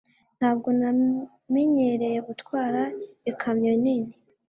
Ntabwo namenyereye gutwara ikamyo nini.